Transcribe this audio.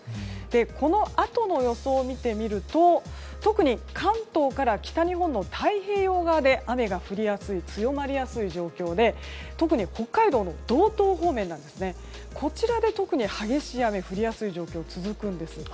このあとの予想を見てみると特に関東から北日本の太平洋側で雨が降りやすい強まりやすい状況で特に北海道の道東方面こちらで特に激しい雨が降りやすい状況が続くんです。